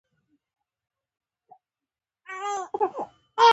نورې برخې یخي، تودې، وچي یا مرطوبې وې.